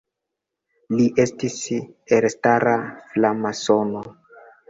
Li estis elstara framasono.